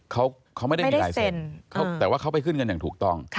เขาไม่ได้มีลายเซ็นแต่ว่าเขาไปขึ้นเงินอย่างถูกต้อง